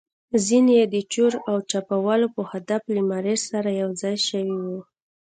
ځینې يې د چور او چپاول په هدف له مارش سره یوځای شوي وو.